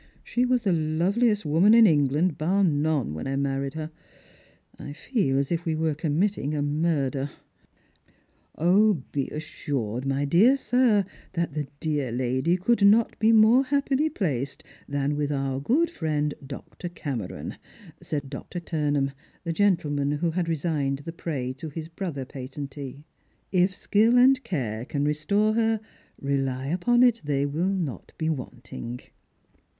She was the loveliest woman in England, bar none, when I married hor. 1 fool aa if we were committing « murder." 328 Strangers and Pilgrims. " Be assured, my dear sir, that tlie dear lady could not be more happily placed than with our good friend Dr. Cameron," said Ur. Turnam, the gentleman who had resigned the prey to his brother patentee. " If skill and care can restore her, rely upon it they will not be wanting."